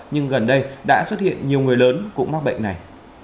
nhưng gần đây đã xuất hiện nhiều người lớn cũng mắc bệnh này